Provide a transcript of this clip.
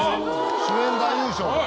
主演男優賞。